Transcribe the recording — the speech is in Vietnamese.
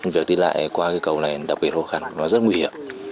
việc đi lại qua cây cầu này đặc biệt khó khăn rất nguy hiểm